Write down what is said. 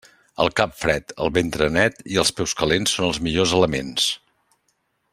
El cap fred, el ventre net i els peus calents són els millors elements.